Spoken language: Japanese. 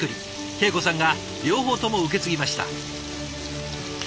恵子さんが両方とも受け継ぎました。